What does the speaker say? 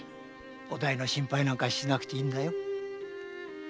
お代の心配なんかしなくていいんだよ。